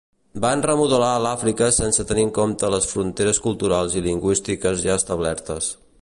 Van remodelar l'Àfrica sense tenir en compte les fronteres culturals i lingüístiques ja establertes.